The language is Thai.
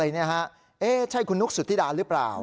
เนี่ยฮะใช่คุณนุกสุธิดาหรือเปล่า